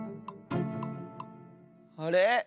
あれ？